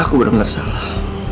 aku bener bener salah